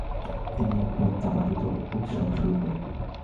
তিনি প্রতাপাদিত্ত উৎসব শুরু করেন।